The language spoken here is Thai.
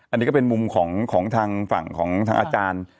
อันนี้ก็เป็นมุมของทางฝั่งของทางอาจารย์